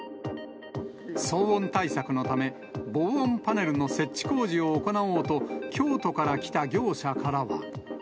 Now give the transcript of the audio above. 騒音対策のため、防音パネルの設置工事を行おうと、京都から来た業者からは。